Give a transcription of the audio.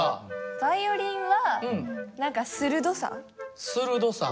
バイオリンは何か鋭さ？